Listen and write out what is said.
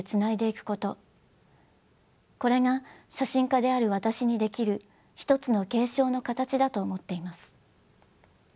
これが写真家である私にできるひとつの継承の形だと思っています。